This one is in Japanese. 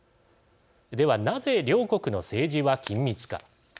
では、なぜ両国の政治は緊密か。